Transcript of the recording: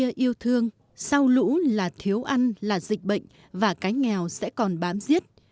những người yêu thương sau lũ là thiếu ăn là dịch bệnh và cái nghèo sẽ còn bám giết